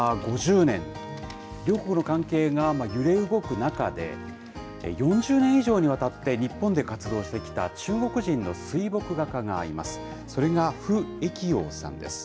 ５０年、両国の関係が揺れ動く中で、４０年以上にわたって日本で活動してきた中国人の水墨画家がいます。